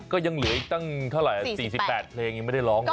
ก็ยังเหลืออีกตั้งเท่าไหร่๔๘เพลงยังไม่ได้ร้องเลย